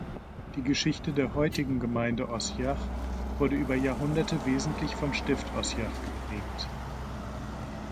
Die Geschichte der heutigen Gemeinde Ossiach wurde über Jahrhunderte wesentlich vom Stift Ossiach geprägt.